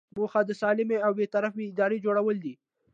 موخه د سالمې او بې طرفه ادارې جوړول دي.